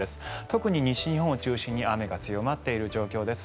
特に西日本を中心に雨が強まっている状況です。